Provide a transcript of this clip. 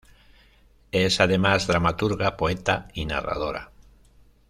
Es además dramaturga, poeta y narradora.